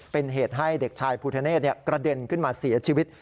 เป็นเหตุให้เด็กชายภูทะเนธกระเด็นขึ้นมาเสียชีวิต